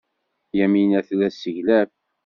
Yamina tella tesseglaf.